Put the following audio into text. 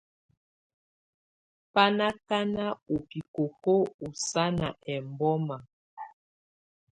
Bá ná ákaná ú bikóko ɔ́ sánà ɛbɔ́má.